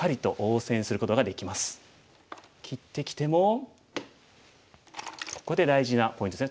切ってきてもここで大事なポイントですね。